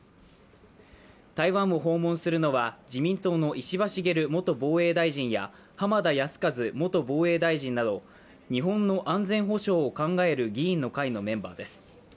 台湾を訪問するのは、自民党の石破茂元防衛大臣や浜田靖一元防衛大臣など日本の安全保障を考える議員の会のメンバーです。